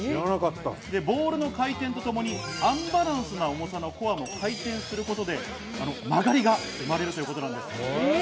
ボールの回転とともにアンバランスな重さのコアが回転することで曲がりが生まれるということなんです。